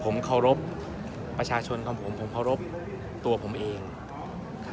ผมเคารพประชาชนของผมผมเคารพตัวผมเองครับ